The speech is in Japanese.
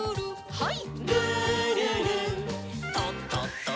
はい。